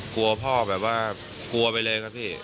กลัวพ่อแบบว่ากลัวไปเลยครับพี่